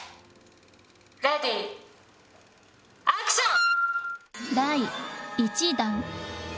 レディーアクション！